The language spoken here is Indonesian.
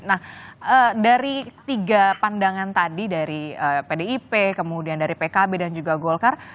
nah dari tiga pandangan tadi dari pdip kemudian dari pkb dan juga golkar